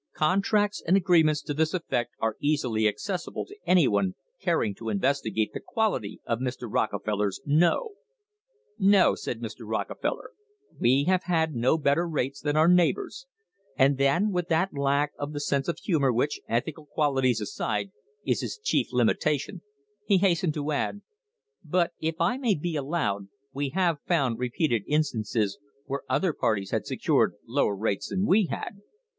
Con tracts and agreements to this effect are easily accessible to any one caring to investigate the quality of Mr. Rockefeller's "no." "No," said Mr. Rockefeller, "we have had no better rates than our neighbours," and then, with that lack of the sense of humour which, ethical qualities aside, is his chief limitation, he hastened to add: "But, if I may be allowed, we have found repeated instances where other parties had secured lower rates than we had."